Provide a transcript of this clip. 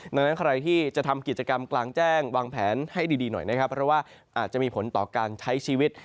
ดังนั้นใครที่จะทำกิจกรรมกลางแจ้งวางแผนให้ดีหน่อยนะครับเพราะว่าอาจจะมีผลต่อการใช้ชีวิต